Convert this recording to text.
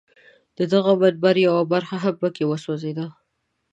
د دغه منبر یوه برخه هم په کې وسوځېده.